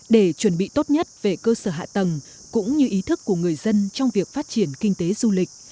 để chuẩn bị tốt nhất về cơ sở hạ tầng cũng như ý thức của người dân trong việc phát triển kinh tế du lịch